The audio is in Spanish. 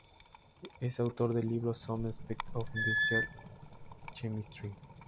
Es autor del libro "Some aspects of industrial chemistry".